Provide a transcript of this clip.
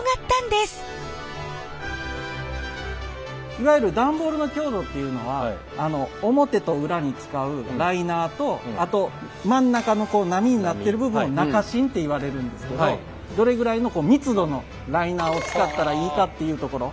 いわゆる段ボールの強度っていうのは表と裏に使うライナーとあと真ん中の波になってる部分を中しんっていわれるんですけどどれぐらいの密度のライナーを使ったらいいかっていうところ。